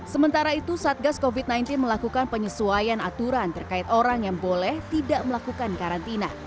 sementara itu satgas covid sembilan belas melakukan penyesuaian aturan terkait orang yang boleh tidak melakukan karantina